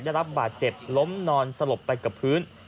ได้รับบาดเจ็บล้มนอนสลบไปกับพื้น